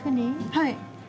はい。